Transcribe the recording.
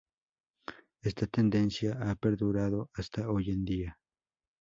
Esta tendencia ha perdurado hasta hoy en día.